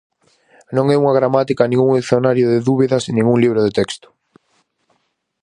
Non é unha gramática nin un dicionario de dúbidas nin un libro de texto.